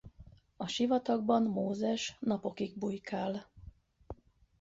A sivatagban Mózes napokig bujkál.